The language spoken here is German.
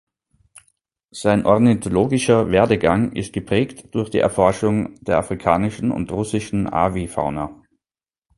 Sein ornithologischer Werdegang ist geprägt durch die Erforschung der afrikanischen und russischen Avifauna.